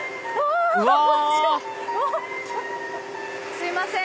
すいません